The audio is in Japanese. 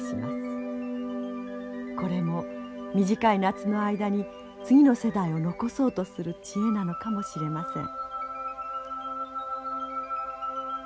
これも短い夏の間に次の世代を残そうとする知恵なのかもしれません。